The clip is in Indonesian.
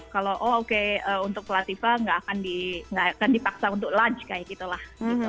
kalau oke untuk pelatihan nggak akan dipaksa untuk lunch kayak gitu lah